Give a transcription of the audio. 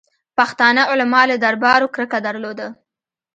پښتانه علما له دربارو کرکه درلوده.